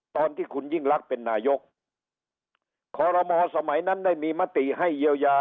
ตอนที่คุณยิ่งลักษณ์เป็นนายกคอรมอสมัยนั้นได้มีมติให้เยียวยา